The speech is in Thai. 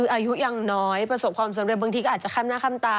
อายุยังน้อยประสบความสำเร็จบางทีก็อาจจะค่ำหน้าค่ำตา